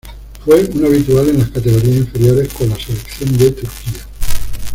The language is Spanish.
Fue un habitual en las categorías inferiores con la selección de Turquía.